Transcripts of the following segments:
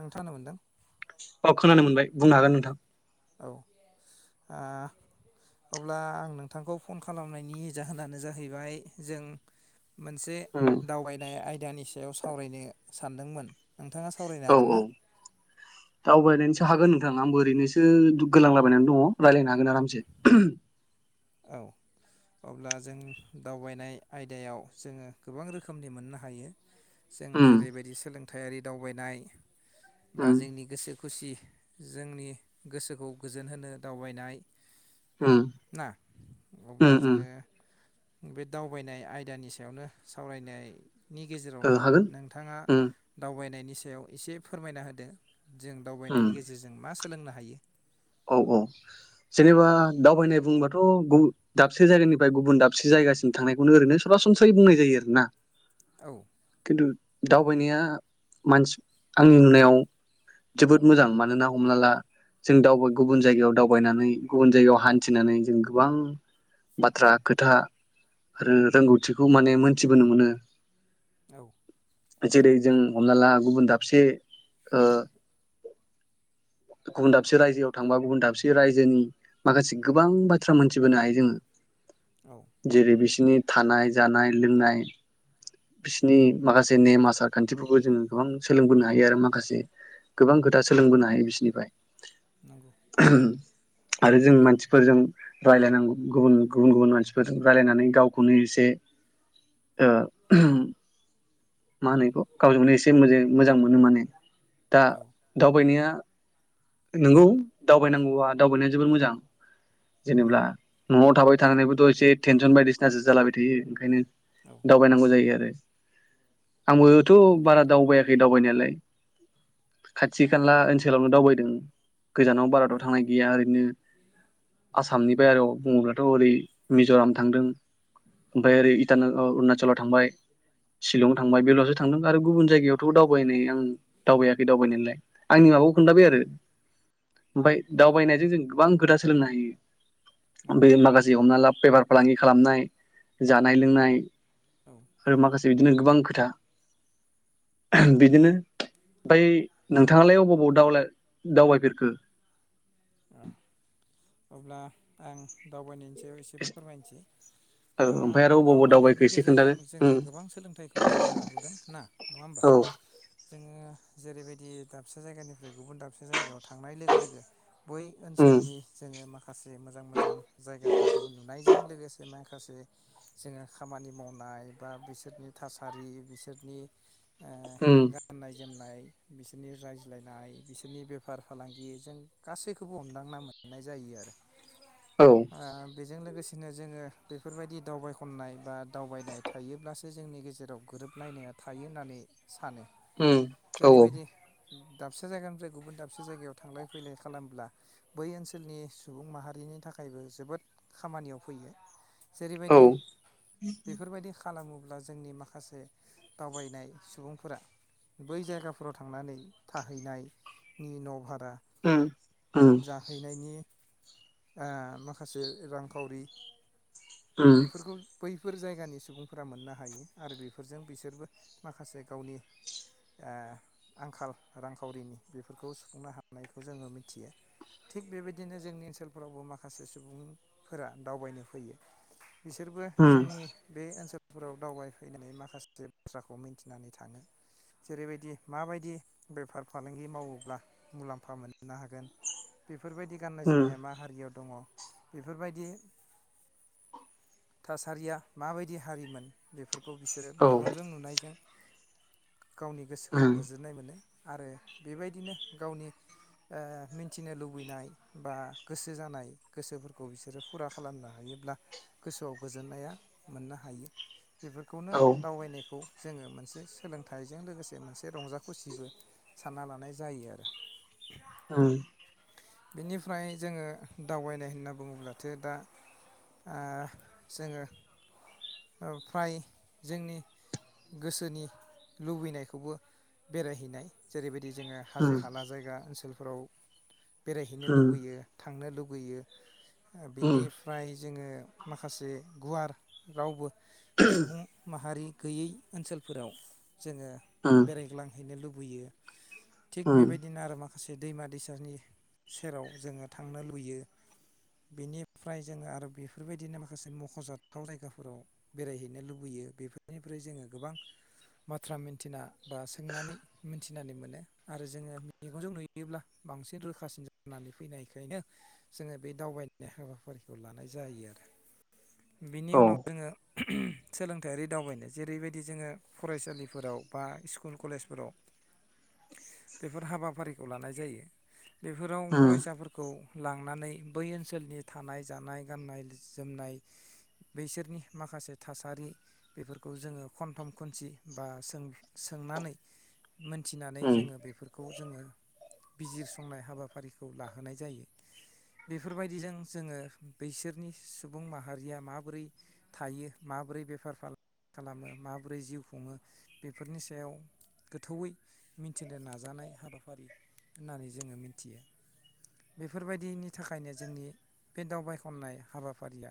नोंथाङानो मोन्दों [inaudible] अ खोनानो मोनबाय बुंनो हागोन नोंथां। औ ओ अब्ला आं नोंथांखौ फन खालामनायनि जाहोनानो जाहैबाय जों मोनसे उम दावबायनाय आय दानि सायाव सावरायनो सानदोंमोन। नोंथाङा सावरायनो औ हागोन औ ना दावबायनायनि सा हागोन नोंथां आंबो ओरैनोसो गोलांलाबायनानै दङ रायलायनो हागोन आरामसे औ अब्ला जों दावबायनाय आयदायाव जोङो गोबां रोखोमनि मोननो हायो। जों उम जेरैबायदि सोलों थायारि दावबायनाय बा उम जोंनि गोसो खुसि जोंनि गोसोखौ गोजोन होनो दावबायनाय उम ना अब्ला उम उम जोङो बे दावबायनाय आयदानि सायावनो सावरायनाय नि ओ गेजेरावनो हागोन नोंथाङा उम दावबायनायनि सायाव एसे फोरमायना होदो। जों उम दावबायनायनि गेजेरजों मा सोलोंनो हायो औ औ जेनेबा दावबायनाय बुंबाथ' गुब दाबसे जायगानिफ्राय गुबुन दाबसे जायगासिम थांनायखौनो ओरैनो सरासनस्रायै बुंनाय जायो आरोना औ खिनतु दावबायनाया मानसि आंनि नुनायाव जोबोद मोजां मानोना हमना ला जों दावबाय गुबुन जायगायाव दावबायनानै गुबुन जायगायाव हान्थिनानै जों गोबां बाथ्रा खोथा आरो रोंगौथिखौ माने मोनथिबोनो मोनो। औ [inaudible] जेरै जों हमना ला गुबुन दाबसे ओ गुबुन दाबसे रायजोआव थांबा गुबुन दाबसे रायजोनि माखासे गोबां बाथ्रा मोनथिबोनो हायो जोङो। औ जेरै बिसिनि थानाय जानाय लोंनाय बिसोरनि माखासे नेम आसार खान्थिफोरखौ जोङो गोबां सोलोंबोनो हायो आरो माखासे गोबां खोथा सोलोंबोनो हायो बिसोरनि फ्राय नंगौ [inaudible] आरो जों मानसिफोरजों रायलायनांगौ गुबुन गुबुन गुबुन मानसिफोरजों रायलायनानै गावखौनो एसे ओ मा होनो बेखौ गावजोंनो एसे मो मोजां मोनो माने। दा औ दावबायनाया नंगौ। दावबायनांगौबा दावबायनाया जोबोर मोजां जेनेबा न'आव थाबाय थानानैबोथ' एसे टेनसन बायदिसिना जो जालाबाय थायो ओंखायनो। नंगौ दावबायनांगौ जायो आरो। आंबोथ' बारा दावबायाखै दावबायनायालाय खाथि खाला ओनसोल दावबायदों। गोजानाव औ बारत थांनाय गैया ओरैनो आसामनि बायेराव बुङोब्लाथ' ओरै मिज'राम थांदों ओमफ्राय ओरै इटान अरुणाचलाव थांबाय शिलं थांबाय बेलावसो थांदों आरो गुबुन जायगायावथ' दावबायनाय आं दावबायाखै दावबायनायलाय आंनि माबाखौ [inaudible] ओमफ्राय दावबायनायजों जों गोबां गोदा सोलोंनो हायो। नंगौ बे माखासे हमना ला पेपार फालांगि खालामनाय जानाय लोंनाय औ आरो माखासे बिदिनो गोबां खोथा बिदिनो ओमफ्राय नोंथाङालाय अबाव अबाव दावला दावबायफेरखो? अब्ला आं दावबायनोसै ए एसे फोरमायनोसै औ ओमफ्राय आरो अबाव अबाव दावबायखो दावबायनायनि एसे खोन्थादो गेजेरजों जोङो उम गोबां सोलोंथाइखौ मोननो हाबोदों ना नङा होमबा? औ जोङो जेरैबायदि दाबसे जायगानिफ्राय गुबुन दाबसे जायगायाव थांनाय लोगो लोगो बै उम ओनसोलनि जोङो माखासे माखासे मोजां मोजां जायगाफोरखौ नुनायजों लोगोसे माखासे जोङो खामानि मावनाय बा बिसोरनि थासारि बिसोरनि ओ उम गाननाय जोमनाय। बिसोरनि रायज्लायनाय बिसोरनि बेफार फालांगि जों गासैखौबो हमदांना मोननाय जायो आरो। औ ओ बेजों लोगोसे बिदिनो जोङो बेफोरबायदि दावबाय खननाय बा दावबायनाय थायोब्लासो जोंनि गेजेराव गोरोबलायनाया थायो होननानै सानो। उम औ औ जेरैबायदि दाबसे जायगानिफ्राय गुबुन दाबसे जायगायाव थांलाय फैलाय खालामब्ला बै ओनसोलनि सुबुं माहारिनि थाखायबो जोबोद खामानियाव फैयो। जेरैबायदि बेफोरबायदि खालामोब अब्ला जोंनि माखासे दावबायनाय सुबुंफोरा बै जायगाफोराव थांनानै थाहैनायनि न'भार बा उम उम जाहैनायनि माखासे रांखावरि उम बेफोरखौ बै बेफोर जायगानि सुबुंफोरा मोननो हायो। आरो बेफोरजों बिसोरबो माखासे गावनि ए आंखाल रांखावरिनि बेफोरखौ सुफुंनो हानायखौ जोङो मिथियो। थिग बेबायदिनो जोंनि ओनसोलफोरावबो माखासे सुबुंफोरा दावबायनो फैयो। बिसोरबो उम उम औ उम जोंनि बे ओनसोल गफोराव दावबायफैनानै माखासे बाथ्राखौ मिन्थिनानै थाङो। जेरैबायदि माबायदि बेफार फालांगि मावोब्ला मुलाम्फा मोननो हागोन बे बेफोरबायदि गाननाय जोमनाया मा हारियाव दङ बेफोरबायदि थासारिया माबायदि हारिमोन बेफोरखौ बेखौ बिसोरो औ मेगनजों नुनायजों गावनि गोसोखौ उम उम गोजोननाय मोनो आरो बेबायदिनो गावनि ओ मिन्थिनो लुबैनाय बा गोसो जानाय गोसोफोरखौ बिसोरो फुरा खालामनो हायोब्ला गोसोआव गोजोननाया मोननो हायो बेफोरखौनो दावबायनायखौ जोङो मोनसे सोलों थाइजों लोगोसे मोनसे रंजा खुसिबो सानना लानाय जायो आरो ओं बेनिफ्राय जोङो दावबायनाय होनना बुङोब्लाथो दा ओ जोङो फ्राय जोंनि गोसोनि लुबैनायखौबो बेरायहैनाय जेरैबायदि जोङो हाजो हाला जायगा ओनसोल फ्राव बेरायहैनो लुबैयो थांनो लुबैयो गैयो उम उम बिनिफ्राय जोङो माखासे गुवार रावबो सुबुं माहारि गैयै ओनसोलफोराव जोङो औ बेरायग्लांहैनो लुबैयो होयो थिग बेबायदिनो आरो मा माखासे दैमा दैसानि सेराव जोङो थांनो लुबैयो बेनिफ्राय जोङो आरो बेफोरबायदिनो माखासे मख'जाथाव जायगाफोराव बेरायहैनो लुबैयो बेफोरनिफ्राय जोङो गोबां बाथ्रा मिथिना बा सोंनानै मिथिनानै मोनो आरो जोङो मेगनजों नुयोब्ला बांसिन रोखासिन जानानै फैनायखायनो जोङो बे दावबायनाय हाबाफारिखौ लानाय जायो आरो बिनि उनाव जोङो सोलोंथाइयारि दावबायनाय जेरैबायदि जोङो फरायसालिफोराव बा स्कुल कलेजफोराव बेफोर हाबाफारिखौ लानाय जायो बेफोराव उम फरायसाफोरखौ लांनानै बै ओनसोलनि थानाय जानाय गाननाय जोमनाय बैसोरनि माखासे थासारि बेफोरखौ जोङो खनथम खनसि बा सों सोंनानै मोनथिनानै उम जोङो बेफोरखौ जोङो बिजिरसंनाय हाबाफारिखौ लाहोनाय जायो। बेफोरबायदिजों जोङो बैसोरनि सुबुं माहारिया माबोरै थायो माबोरै बेफार फाला खालामो माबोरै जिउ खुङो बेफोरनि सायाव गोथौवै मिथिनो नाजानाय हाबाफारि होननानै जोङो मिथियो। बेफोरबायदिनि थाखायनो जोंनि बे दावबायखननाय हाबाफारिया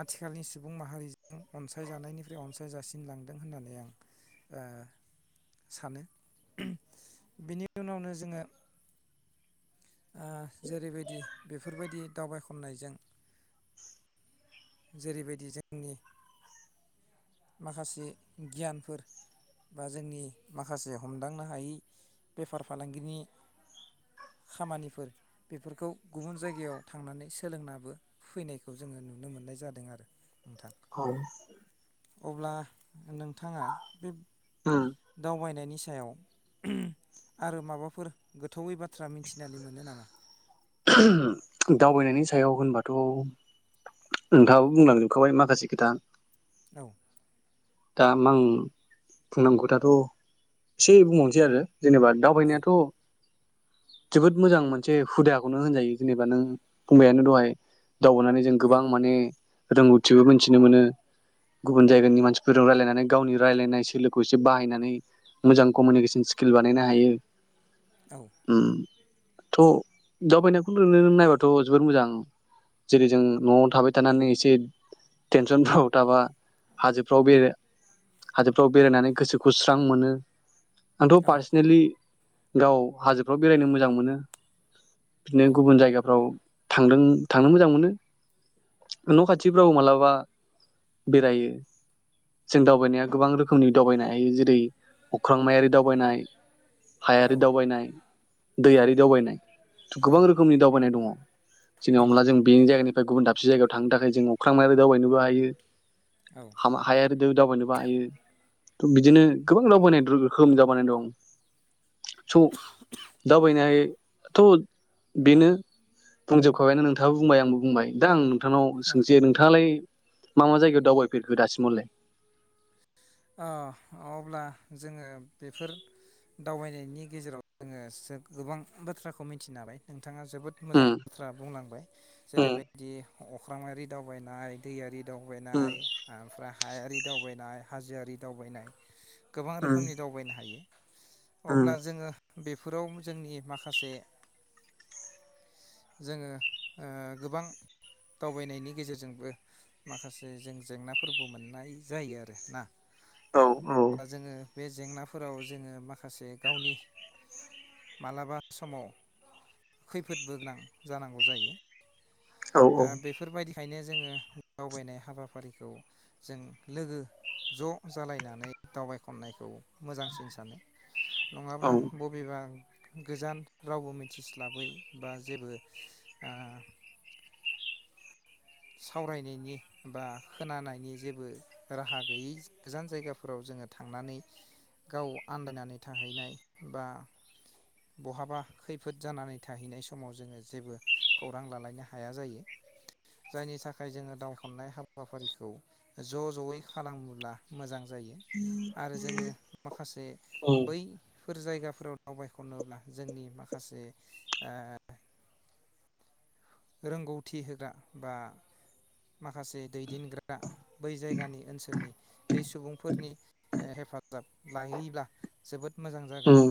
आथिखालनि सुबुं माहारिजों अनसायजानायनिफ्राय अनसाय जासिनलांदों होननानै आं ओ सानो बिनि उनावनो जोङो आ जेरैबायदि बेफोरबायदि दावबायखननायजों जेरैबायदि जोंनि माखासे गियानफोर बा जोंनि माखासे हमदांनो हायि बेफार फालांगिनि खामानिफोर बेफोरखौ गुबुन जायगायाव थांनानै सोलोंनाबो फैनायखौ जोङो नुनो मोननाय जादों आरो नोंथां औ। अब्ला नोंथाङा बेब उम दावबायनायनिस याव आरो माबाफोर गोथ थौै बाथ्रा मिथिनानै मोनो नामा? दावबायनायनि सायाव होनबाथ' नोंथाङाबो बुंलांजोबखाबाय माखासे खोथा औ। दा मां बुंनांगौ खोथाथ' एसे बुंबावनोसै आरो जेनेबा औ दावबायनायाथ' जोबोद मोजां मोनसे हुदाखौनो होनजायो जेनेबा नों बुंबायानो दहाय दावगानानै जों औ गोबां माने रोंगौथिबो मोनथिनो मोनो गुबुन जायगानि मानसि फोराव रायलायनानै गावनि रायलायनाय सोलोखौ एसे बाहायनानै मोजां कमिउनिकेसन स्किल बानायनो हायो। औ उम। थ' दावबायनायखौ नुनोन नायबाथ' जोबोर मोजां जेरै जों न'आव थाबाय थानानै एसे टेनसनफ्राव थाबा हाजोब फ्राव बे हाजोफ्राव बेरायनानै गोसोखौ स्रां मोनो। आंथ' औ पार्सनेलि गाव हाजोफ्राव बेरायनो मोजां मोनो बिदिनो औ गुबुन जायगाफ्राव थांदों थांनो मोजां मोनो न' खाथिफ्राव मालाबा बेरायो। जों दावबायनाया गोबां रोखोमनि दावबायनो हायो जेरै अख्रांमायारि दावबायनाय औ हायारि दावबायनाय औ दैयारि दावबायनाय औ गोबां रोखोमनि दावबायनाय दङ। नंगौ जेनमब्ला जों नंगौ बेनि जायगानिफ्राय गुबुन दाब से जायगायाव थांनो थाखाय जों अख्रांमायारि दावबायनोबो हायो। औ हामा हाया आरो दै दावबायनोबो हायो - थ' बिदिनो गोबां दावबायनाय रो-रोखोम जाबावनाय दं स' दावबायनायथ' बेनो बुंजोबखाबायनो नोंथाङाबो बुंबाय आंबो बुंबाय दा आं नों- थांनाव औ सोंसै नोंथाङालाय मा मा जायगायाव दावबाय फेरखौ दासिमलाय? ओ अब्ला जोङो बेफोर दावबायनायनि गेजेराव जोङो एसे गोबां बाथ्राखौ मिथियो नालाय बिथाङा जोबोद मोजां उम बाथ्रा बुंलांबाय उम जेरैबायदि अख्रांआरि दावबायनाय दैयारि दावबायनाय ओमफ्राय हायारि दावबायनाय हाजोआरि दावबायनाय गोबां रोखोमनि दावबायनो हायो। उम अब्ला जोङो बेफोराव जोंनि माखासे जोङो ओ गोबां दावबायनायनि गेजेरजोंबो माखासे जों जेंनाफोरबो मोननाय जायो आरो। ना औ औ अब्ला जोङो बे जेंनाफोराव जोङो माखासे गावनि मालाबा समाव खैफोदबो गोनां जानांगौ जायो। औ आ बेफोरबायदि ओंखायनो जोङो दावबायनाय हाबाफारिखौ जों लोगो ज' जालायनानै दावबाय खननायखौ मोजांसिन सानो औ नङाब्ला बबेबा गोजान रावबो मिथिस्लाबै बा जेबो आ सावरायनायनि बा खोनानायनि जेबो राहा गैयै गोजान जायगाफोराव जोङो थांनानै गाव आन्दायनानै थाहैनाय बा बहाबा खैफोद जानानै थाहैनाय समाव जोङो जेबो खौरां लालायनो हाया जायो। जायनि थाखाय जोङो दावबाय खननाय हाबा फारिखौ ज' ज'यै खालामोब्ला मोजां जायो आरो जोङो माखासे उम बै फोर जायगाफोराव दावबाय खननोब्ला जोंनि माखासे आ रोंगौथि होग्रा बा माखासे दैदेनग्रा बै जायगानि ओनसोलनि बै सुबुंफोरनि हेफाजाब लायोब्ला जोबोद मोजां जागोन उम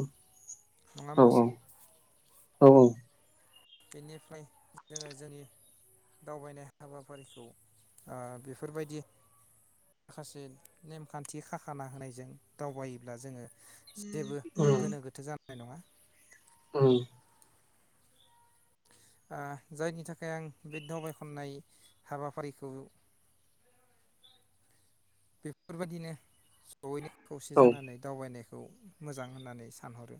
नङा औ होमबासै? औ बेनिफ्राय जोङो जोंनि दावबायनाय हाबाफारिखौ ओ बेफोरबायदि माखासे नेमखान्थि खाखाना होनायजों दावबायोब्ला जोङो उम। नाय नङा। उम आ जायनि थाखाय आं बे दावबाय खननाय हाबाफारिखौ बेफोरबायदिनो जयैनो खौसे औ जानानै दावबायनाय खौ मोजां होननानै सानहरो।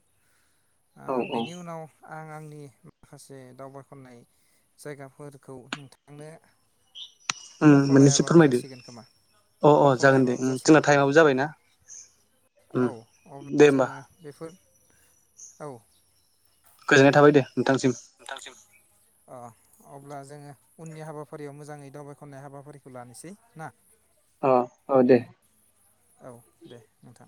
आ औ औ उम बेनि उनाव आं आंनि माखासे दावबायखननाय जायगाफोरखौ नोंथांनो मोननैसो मख'लायाबाबो फोरमायदो जासिगोन खोमा। अ अ जागोन दे मख'लायाबाबो उम जासिगोन जोंना खोमा टाइमाबो जाबायना उम औ दे अब्ला होमबा जोङो बेफोर औ। गोजोननाय थाबाय दे। नोंथांसिम नोंथांसिम अ। अब्ला जोङो उननि हाबाफारियाव मोजाङै दावबाय खननाय हाबाफारिखौ लानोसै ना? अ औ दे। औ दे नोंथां।